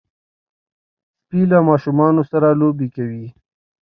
سپي له ماشومانو سره لوبې کوي.